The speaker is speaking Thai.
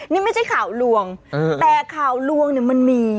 นี่ไม่ใช่ข่าวลวงแต่ข่าวลวงเนี่ยมันมี